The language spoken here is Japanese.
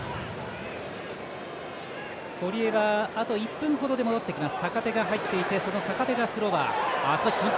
堀江があと１分ほどで戻ってきます。